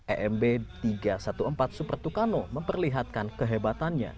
emb tiga ratus empat belas super tucano memperlihatkan kehebatannya